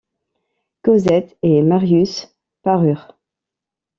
Cosette et Marius parurent.